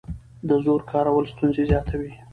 د زور کارول ستونزې زیاتوي